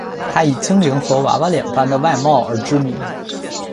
她以精灵和娃娃脸般的外貌而知名。